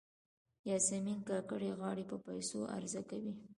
یاسمین کاکړۍ غاړې په پیسو عرضه کوي.